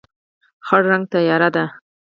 خړ رنګ تیاره دی.